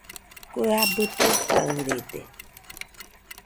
Kue abɨ taɨtaɨrede